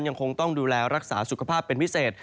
ยังคงต้องดูแลรักษาสุขภาพเป็นพิเศษ